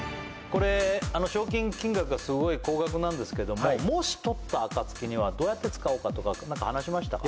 これ賞金金額がすごい高額なんですけどももしとったあかつきにはどうやって使おうかとか何か話しましたか？